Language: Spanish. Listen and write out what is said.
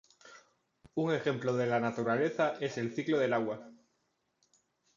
Un ejemplo de la naturaleza es el ciclo del agua.